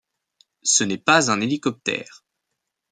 Ce n'est pas un hélicoptère.